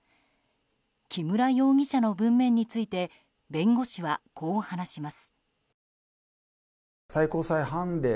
木村容疑者の文面について弁護士はこう話します。